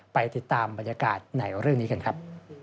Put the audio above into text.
ไปติดตามบรรยากาศในเรื่องนี้กันครับ